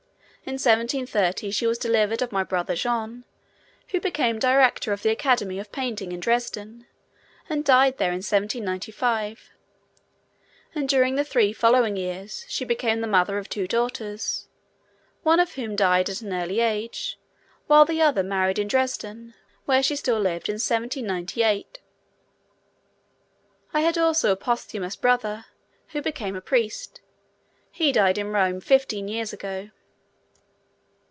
In 1730 she was delivered of my brother Jean, who became Director of the Academy of painting at Dresden, and died there in 1795; and during the three following years she became the mother of two daughters, one of whom died at an early age, while the other married in Dresden, where she still lived in 1798. I had also a posthumous brother, who became a priest; he died in Rome fifteen years ago.